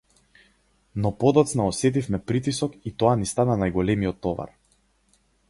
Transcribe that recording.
Но подоцна осетивме притисок и тоа ни стана најголемиот товар.